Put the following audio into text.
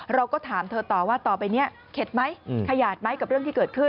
เราก็ถามเธอต่อว่าต่อไปนี้เข็ดไหมขยาดไหมกับเรื่องที่เกิดขึ้น